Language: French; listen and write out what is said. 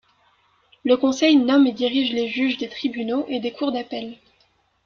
Le Conseil nomme et dirige les juges des tribunaux et des Cours d'appel.